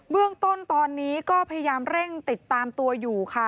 เรื่องต้นตอนนี้ก็พยายามเร่งติดตามตัวอยู่ค่ะ